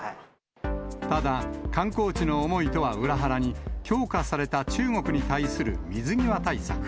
ただ観光地の思いとは裏腹に、強化された中国に対する水際対策。